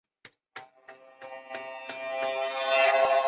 国家机器是一个政治术语。